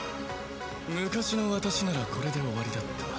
昔の私ならこれで終わりだった。